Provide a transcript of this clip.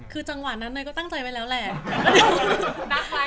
คือจังหวะนั้นเนยก็ตั้งใจไว้แล้วแหละ